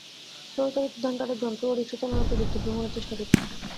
সৌরচালিত ধান কাটার যন্ত্র ও রিকশা চালানোর প্রযুক্তি উদ্ভাবনের চেষ্টা করছেন।